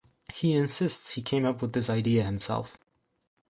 He insists he came up with this idea himself.